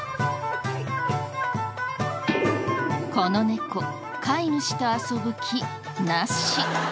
この猫飼い主と遊ぶ気なし。